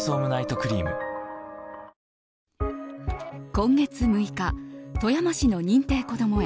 今月６日富山市の認定こども園